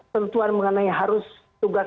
tentuan mengenai harus tugas